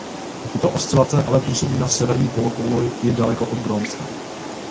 Tyto oscilace ale působí na severní polokouli i daleko od Grónska.